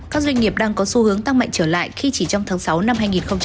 các doanh nghiệp đang có xu hướng tăng mạnh trở lại khi chỉ trong tháng sáu năm hai nghìn hai mươi